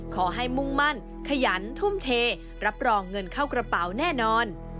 มุ่งมั่นขยันทุ่มเทรับรองเงินเข้ากระเป๋าแน่นอน